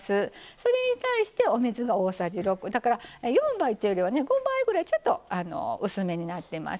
それに対してお水が大さじ６４倍というよりは５倍ぐらい薄めになってます。